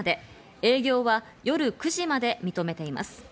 営業は夜９時まで認めています。